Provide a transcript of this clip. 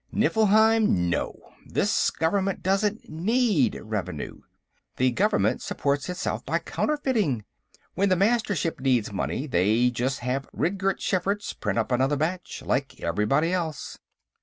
"Nifflheim, no! This government doesn't need revenue. This government supports itself by counterfeiting. When the Mastership needs money, they just have Ridgerd Schferts print up another batch. Like everybody else."